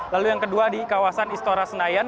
lalu yang kedua di kawasan istora senayan